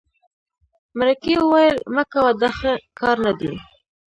مرکې وویل مه کوه دا ښه کار نه دی.